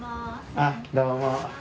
あ、どうも。